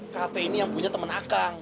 kafe ini yang punya teman akang